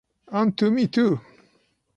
And to me too.